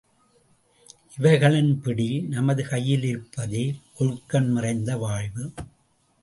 இவைகளின் பிடி நமது கையில் இருப்பதே ஒழுக்கம் நிறைந்த வாழ்வு.